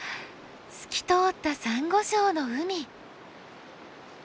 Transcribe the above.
透き通ったサンゴ礁の海。